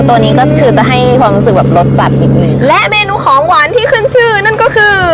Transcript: ตัวนี้ก็คือจะให้ความรู้สึกแบบรสจัดนิดนึงและเมนูของหวานที่ขึ้นชื่อนั่นก็คือ